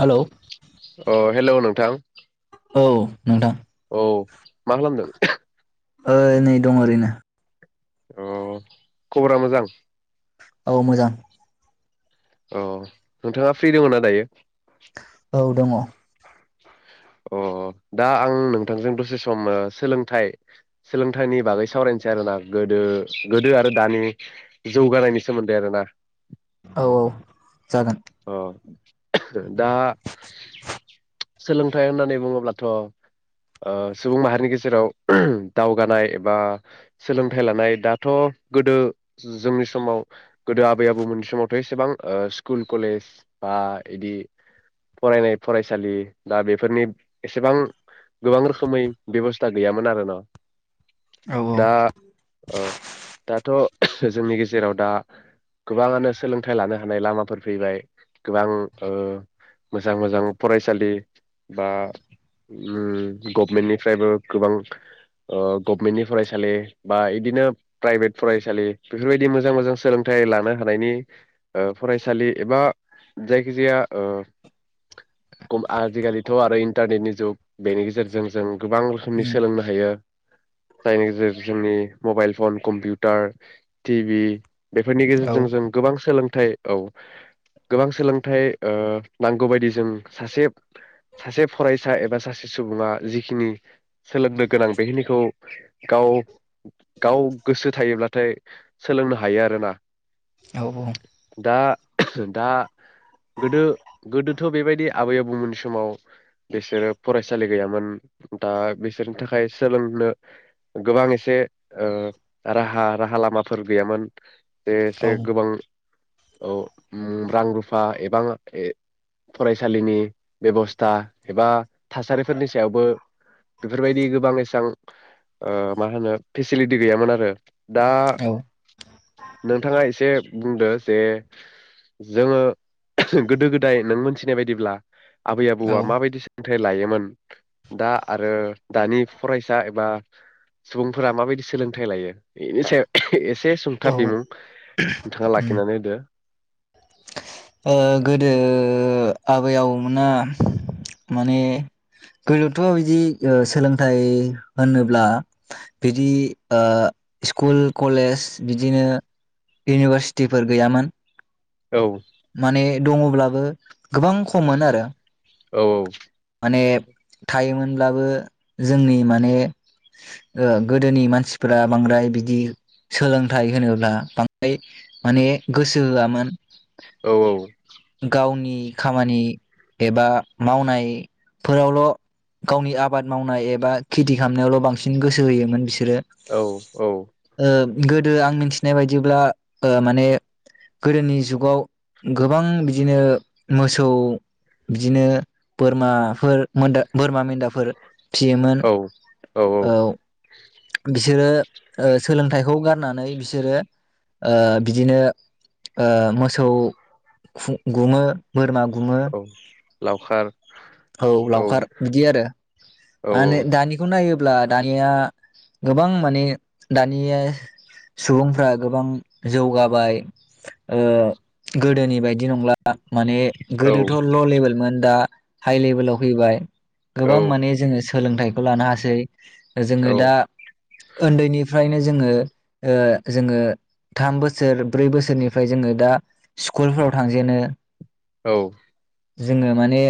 Hello. अ hello नोंथां। औ नोंथां। औ मा खालामदों। ओ नै दं ओरैनो। अ खबरा मोजां? औ मोजां। औ नोंथाङा फ्रि दंङ ना दायो? औ दङ। अ दा आं नोंथांजों दसे सम ओ सोलोंथाइ सोलोंथाइनि बागै सावरायनोसै आरोना गोदो गोदो आरो दानि जौगानायनि सोमोन्दै आरोना। औ औ। अ दा। सोलोंथाइ होननानै बुङोब्लाथ' ओ सुबुं माहारिनि गेजेराव दावगानाय एबा सोलोंथाइ लानाय दाथ' गोदो जोंनि समाव गोदो आबै आबौमोननि समावथ' एसेबां ओ स्कुल। कलेज बा इदि फरायनाय फरायसालि दा बेफोरनि एसेबां गोबां रोखोमै बेबस्था गैयामोन आरो न', औ औ दा ओ दाथ'। जोंनि गेजेराव दा गोबाङानो सोलोंथाइ लानो हानाय लामाफोर फैबाय गोबां‌ ओ मोजां मोजां फरायसालि बा उम गभमेन्टनिफ्रायबो गोबां ओ गभमेन्टनि फरायसालि बा इदिनो प्राइभेट फरायसालि बेफोरबायदि मोजां मोजां सोलोंथाइ लानो हानायनि ओ फराय सालि एबा जायखिजाया ओ खम आजिखालिथ' आरो इन्टारनेटनि जुग बेनि गेजेरजों जों। गोबां रोखोमनि उम सोलोंनो हायो। जायनि गेजेर जोंनि mobile phone computer T V. बेफोरनि औ गेजेरजों जों गोबां सोलों थाय। औ गोबां सोलोंथाइ ओ नांगौबायायदि जों सासेब सासे फरायसा एबा सासे सुबुङा जिखिनि सोलोंनो गोनां बेखिनिखौ गाव गाव गोसो थायोब्लाथाय सोलोंनो हायो आरोना। औ दा दा गोदो गोदोथ' बेबायदि आबै आबौमोनि समाव बिसोरो फरायसालि गैयामोन दा बिसोरनि थाखाय सोलोंनो गोबां एसे ओे राहा राहा लामाफोर गैयामोन। बेसे औ गोबां। औ उम रां रुफा एबां ए फरायसालिनि बेबस्था एबा थासारिफोरनि सायावबो बेफोरबायदि गोबां एसेबां ओ माहोनो फेसिलिटि गैयामोन आरो। दा औ नोंथाङा एसे बुंदो। जे जोङो गोदो गोदाय नों मोनथिनाय बायदिब्ला आबै आबौआ माबायदि सोलोंथाइ लायोमोन दा आरो दानि फरायसा एबा सुबुंफोरा माबायदि सोलोंथाइ लायो बेनि सायाव एसे सुंथाब औ बिमुं नोंथांङा‌ लाख उम थिनानै होदो। ओ गोदो आबै आबौमोना माने गोदोथ' ओ बिदि सोलोंथाइ होनोब्ला बिदि ओ स्कुल कलेज बिदिनो इउनिभारसिटिफोर गैयामोन। औ। माने दङब्लाबो गोबां खममोन आरो। औ औ। नेब थायोमोनब्लाबो जोंनि माने ओ गोदोनि मानसिफोरा बांद्राय बिदि सोलोंथाइ होनोब्ला बांद्राय माने गोसो होआमोन। औ औ। गावनि खामानि एबा मावनायफोरावल' गावनि आबाद मावनाय एबा खेथि खालामनायावल' बांसिन गोसो होयोमोन बिस औ औ। गोदो आं मिनथिनाय बायदिब्ला माने गोदोनि जुगाव गो बां बिदिनो मोसौ बिदिनो बोरमाफोर बोरमा मेन्दाफोर फियोमोन औ औ। बिसोरो ओ सोलोंथाइखौ गारनानै बिसोरो बिदिनो ओ मोसौ खु गुमो। बोरमा गुमो औ लावखार। औ लावखार बिदि आरो औ मा होनो दानिखौ नायोब्ला दानिया गोबां माने दानिया सुबुंफ्रा गोबां जौगाबाय ओ गोदोनि बायदि नंला। माने औ गोदोथ' ल' लेबेलमोन दा। हाइ लेभेलाव फैबाय। औ गोबां माने जोङो सोलोंथाइखौ लानो हासै। जोङो औ दा ओन्दैनिफ्रा फ्रायनो जोङो ओ जोङो थाम बोसोर ब्रै बोसोरनिफ्राय जोङो दा स्कुलफोराव थांजेनो। औ। जोङो माने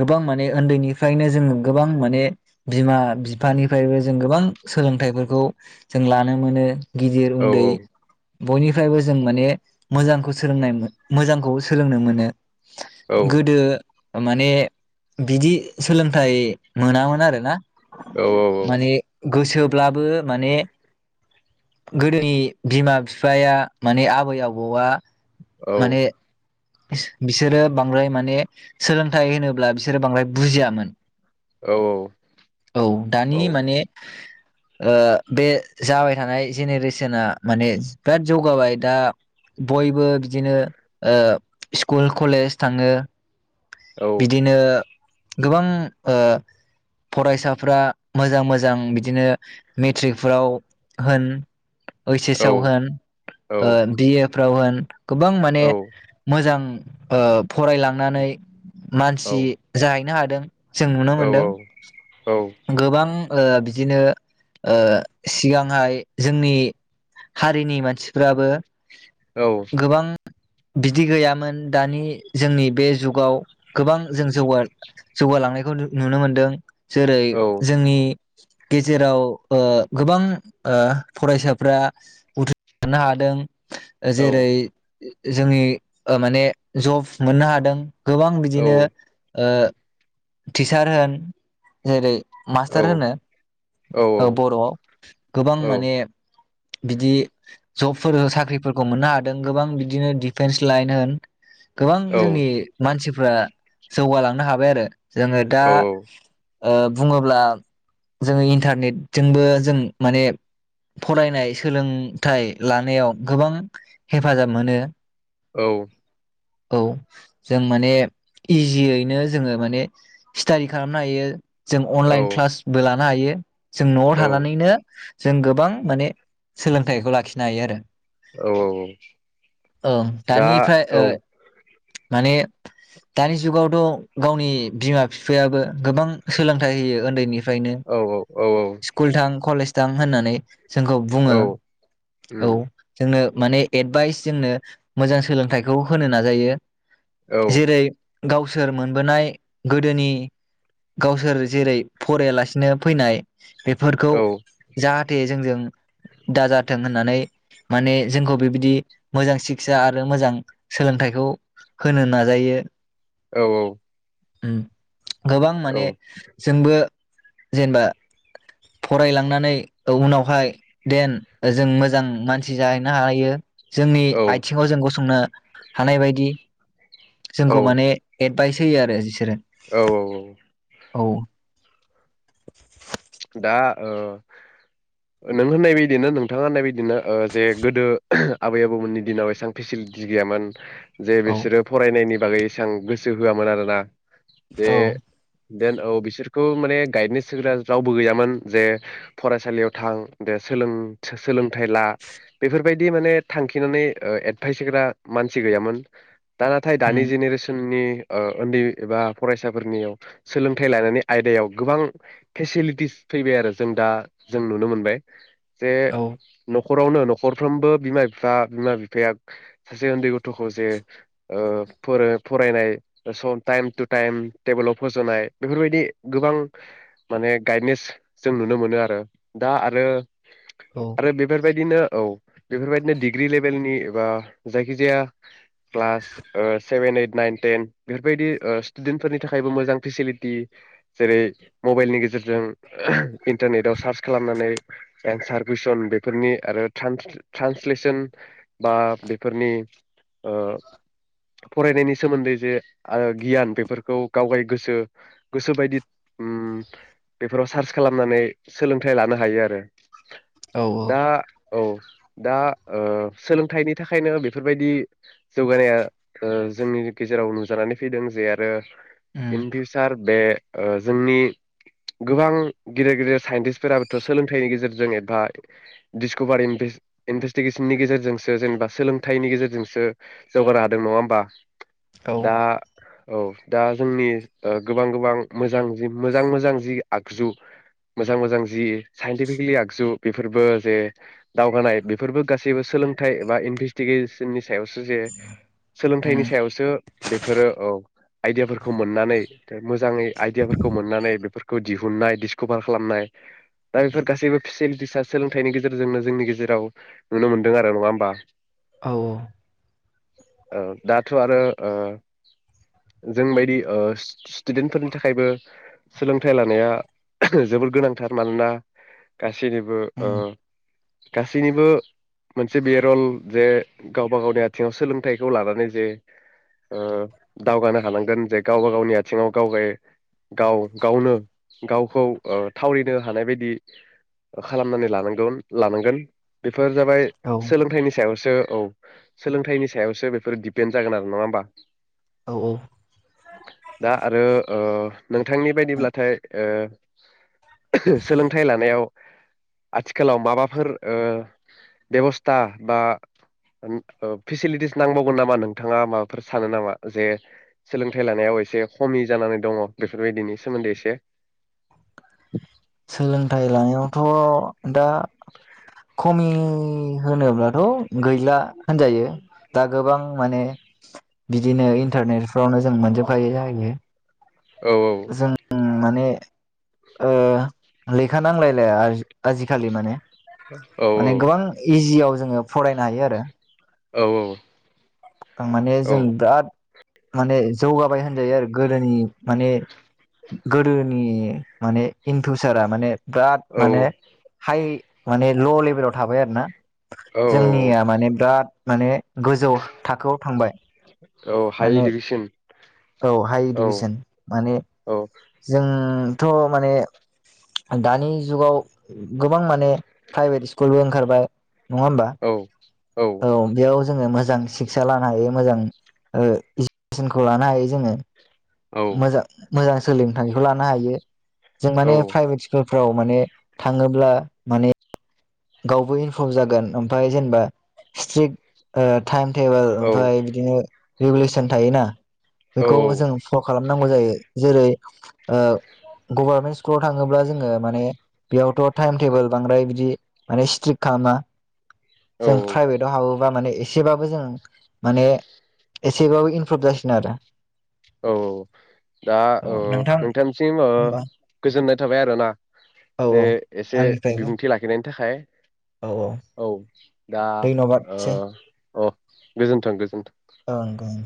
गोबां माने ओन्दैनिफ्रायनो जोंङो गोबां माने बिमा बिफानिफ्रायबो जों गोबां सोलोंथाइफोरखौ जों लानो मोनो। गिदिर औ उन्दै बयनिफ्रायबो जों माने मोजांखौ सोलोंनाय मोजांखौ सोलोंनो मोनो। औ गोदो। माने बिदि सोलोंथाइ मोनामोन आरोना। औ औ माने गोसो ब्लाबो माने गोदोनि बिमा बिफाया माने आबै आबौआ। माने बिसोरो बांद्राय माने सोलोंथाइ होनोब्ला बिसोरो बांद्राय बुजियामोन। औ दानि माने ओ बे जाबाय थानाय जेनेरेसना माने बिराद जौगाबाय दा बयबो बिदिनो ओ स्कुल कलेज थाङो। बिदिनो गोबां ओ फरायसाफोरा मोजां मोजां बिदिनो मेट्रिकफोराव होन ओइस एस आव होन बि ए फ्लावर होन गोबां माने। मोजां ओ फरायलांनानै मानसि जाहैनो हादों। जों नुनो मोनदों गोबां ओ बिदिनो ओ सिगांहाय जोंनि हारिनि मानसिफ्राबो औ गोबां बिदि गैयामोन दानि जोंनि बे जुगाव गोबां जों जौगा-जौगालांनाय नुनो मोनदों। जेरै जोंनि गेजेराव ओ गोबां ओ फरायसाफोरा उथ्रि सारनो हादों जेरै जोंनि ओ माने जब मोननो हादों। गोबां बिदिनो ओ टिचार होन जेरै मास्टर होनो ओ बर'आव गोबां‌ माने बिदि जबफोर साख्रिफोरखौ मोननो हादों गोबां बिदिनो डिपेन्स लाइन होन गोबां जोंनि मानसि फोरा जौगालांनो हाबाय आरो जोङो दा ओ बुङोब्ला जोङो इन्टारनेटजोंबो जों माने फरायनाय सोलोंथाय लानायाव हेफाजाब मोनो। औ औ जों माने इजियैनो जोङो माने स्टाडि खालामनो हायो। जों औ अनलाइन क्लासबो ला आइयो जों न'आव औ थानानैनो जों गोबां माने सोलोंथाइखौ लाखिनो हायो आरो औ औ औ ओं दा दानिफ्राय ओ औ माने दानि जुगावथ' गावनि बिमा बिफायाबो गोबां सोलोंथाइ होयो उन्दै नि फ्रायनो औ औ स्कुल थां कलेज दां होन्नानै जोंखौ औ बुङो औ उम जोंनो माने एडभाइस जोंनो मोजां सोलोंथाइखौ होनो नाजायो औ जेरै गावसोर मोनबोनाय गोदोनि गावसोर जेरै फरायालासिनो फैनाय बेफोरखौ औ जाहाथे जोंजों दाजाथों होननानै माने जोंखौ बेबायदि मोजां शिक्षा आरो मोजां सोलोंथाइखौ होनो नाजायो। औ औ उम गोबां औ माने जोंबो जेनेबा फरायलांनानै उनावहाय देन जों मोजां मानसि जाहैनो हायो जोंनि आथिङाव जों गसंनो हानाय बायदि जोंखौ माने एद एदभाइस हैयो आरो बिसोरो औ औ औ औ दा ओ नों होननाय बायदिनो नोंथाङा होननाय बायदिनो ओ जे गोदो आबै आबौमोननि दिनाव ऐसां फेसिलिटि गैयामोन जे औ बिसोरो फरायनायनि बागै एसां गोसो होआमोन आरो ना दे औ देन औ बिसोरखौ माने गाइदनेस होग्रा रावबो गैयामोन जे फरायसालियाव थां दे सोलों सोलोंथाइ ला बेफोरबायदि माने थांखिनानै ओ एडभाइस होग्रा मानसि गैयामोन दा नाथाय उम दानि जेनेरेसननि ओ उन्दै एबा फरायसाफोरनियाव सोलोंथाइ लानायनि आयदायाव गोबां फेसिलिटिस फैबाय आरो जों दा जों नुनो मोनबाय जे औ नख' न'खरावनो न'खरफ्रोमबो बिमा बिफा बिमा बिफाया सासे उन्दै गथ'खौ जे ओ फोरोब फरायनाय सम टाइम टु टाइम टेबोलाव फोजनाय बेफोरबायदि गोबां माने गायेडनेस जों नुनो मोनो आरो दा आरो औ आरो बेफोरबायदि बिदिनो औ बेफोरबायदिनो डिग्रि लेभेलनि एबा जायखिजाया क्लास ओ सेभेन, ओइट, नाइन, टेन बेफोरबायदि ओ स्टुडेन्टफोरनि थाखायबो मोजां फेसिलिटि जेरै मबाइलनि गेजेरजों इन्टारनेटाव सार्च खालामनानै एन्सार कुइसन बेफोरनि आरो ट्रानसे ट्रेन्सलेसन ओम बेफोराव सार्च खालामनानै सोलोंथाइ लानो हायो आरो औ दा औ दा ओ सोलोंथाइनि थाखायनो बेफोरबायदि जौगानाया ओ जोंनि गेजेराव नुजानानै फैदों जे आरो उम इन फिउसार बे ओ जोंनि गोबां गिदिर गिदिर साइन्टटिस्टफोराबोथ' सोलोंथाइनि गेजेरजों एबा डिसक'भा इनभेस्टिगेसननि गेजेरजोंसो जेनेबा सोलोंथाइनि गेजेरजोंसो जौगानो हादों नङा होमबा औ दा। औ दा जोंनि ओ-गोबां गोबां मोजां मोजां मोजां जि आगजु मोजां मोजां जि साइन्टिफिकेलि आगजु बेफोरबो जे दावगानाय बेफोरबो गासैबो सोलोंथाइ एबा इनभेस्टिगेसननि। सायावसो जे सोलोंथाइनि उम सायावसो बेफोरो औ आइदियाफोरखौ मोननानै मोजाङै आइदियाफोरखौ‌ । बेफोरखौ दिहुननाय डिसकभार खालामनाय दा बेफोर गासैबो फेसिलिटिसा सोलोंथाइनि गेजेरजोंनो जोंनि गेजेराव नुनो मोनदों आरो नङा होमबा? औ औ। ओ-दाथ' आरो ओ- जोंबायदि ओ-स्टुडेन्टफोरनि थाखायबो सोलोंथाइ लानाया जोबोद गोनांथार मानोना गासैनिबो उम ओ-गासैनिबो मोनसे बे रल जे गावबा गावनि आथिङाव सोलोंथाइखौ लानानै जे ओ-दावगानो हानांगोन जे गावबा गावनि आथिङाव गावगाय। गाव गावनो गावखौ ओ-थावरिनो हानाय बायदि खालामनानै लानांगोन लानांगोन। बेफोर जाबाय औ सोलोंथाइनि सायाव। ओ- औ सोलोंथाइनि सायावसो बेफोर दिडपेन्ड जागोन आरो नङा होमबा? औ औ। दा आरो ओ- नोंथांनि बायदिब्लाथाय ओ-सोलोंथाइ लानायाव आथिखालाव माबाफोर ओ-बेबस्था बा ओ- फेसिलिटिस नांबावगोन नामा नोंथाङा माबाफोर सानो नामा जे सोलोंथाइ लानायाव एसे खमि जानानै दङ? बेफोरबायदिनि सोमोन्दै एसे? सोलोंथाइ लानायावथ' दा। खमि होनोब्लाथ' गैला होनजायो दा गोबां माने बिदिनो इन्टारनेटफ्रावनो जों मोनजोबखायो जाहैबाय। औ औ। ओ-लेखा नांलायलाय आजि-आजिखालि माने औ माने गोबां इजिआव। जोङो फरायनो हायो आरो। औ औ। आं माने औ जों बिराद। माने जौगाबाय होनजायो आरो गोदोनि माने गोदोनि माने इन फिउसारा माने। बिराद औ माने हाइ। माने ल' लेभेलाव थाबाय आरो ना। औ जोंनिया माने बिराद। माने गोजौ। थाखोआव थांबाय। औ हाइ माने इडुकेसन औ हाइ औ इडुकेसन माने। औ जोंथ' माने दानि जुगाव गोबां माने प्राइभेट स्कुलबो ओंखारबाय। नङा होमबा औ। औ बेयाव। जोङो मोजां सिक्सा लानो हायो मोजां ओ खौ लानो हायो जोङो औ औ मोजा मोजां सोलोंथाइखौ लानो हायो। जों माने औ प्राइभेट स्कुल फ्राव माने थाङोब्ला माने गावबो इनफर्म जागोन। ओमफाय जेनबा स्ट्रिक ओ थाइम थेबोल ओमफाय औ बिदिनो रेगुलेसन थायोना। बेखौ जों फल खालाम नांगौ जायो जेरै ओ गभार्मेन्ट स्कुलाव थाङोब्ला जोङो माने बेयावथ थाइम थेबोल बांद्राय बिदि माने स्ट्रिक खालामा। औ जों फ्राइभेदाव हाबोबा माने एसेबाबो जों माने एसेबाबो इमप्रुभ जासिनो आरो औ औ दा औ नोंथांसिम ओ होमबा गोजोननाय थाबाय आरोना औ जे औ एसे आंनिफ्रायबो बिबुंथि लाखिनायनि थाखाय। औ। दा धन्यबादसै ओ अ गोजोनथों गोजोनथों। ओं ओं